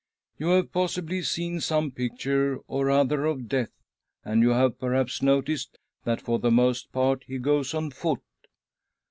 " You haVe possibly seen some picture or other of Death, and you have perhaps noticed that, for the most part, he goes on foot.